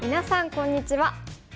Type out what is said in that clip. こんにちは。